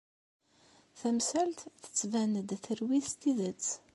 Tamsalt tettban-d terwi s tidet.